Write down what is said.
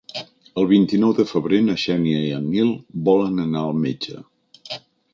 El vint-i-nou de febrer na Xènia i en Nil volen anar al metge.